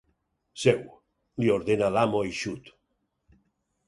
Seu —li ordena l'amo, eixut.